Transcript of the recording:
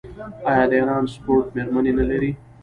آیا د ایران سپورټ میرمنې نلري؟